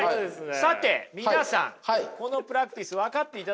さて皆さんこのプラクティス分かっていただきました？